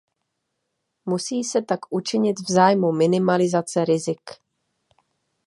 Musí se tak učinit v zájmu minimalizace rizik.